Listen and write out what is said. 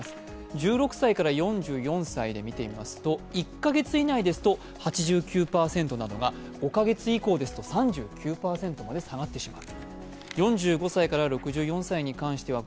１６歳から４４歳で見てみますと１か月以内ですと８９％なのが、５カ月以降ですと３９％まで下がってしまう。